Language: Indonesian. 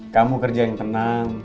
kamu kerja yang tenang